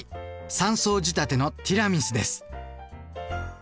３層仕立てのティラミスです。